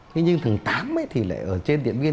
thế nhưng thằng tám ấy thì lại ở trên tiệm viên